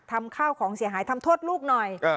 ทำข้าวของเสียหายทำโทษลูกหน่อย